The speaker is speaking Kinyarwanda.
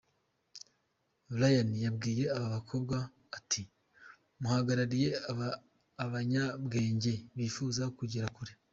Ryan yabwiye aba bakobwa ati “Muhagarariye abanyabwenge bifuza kugera kure.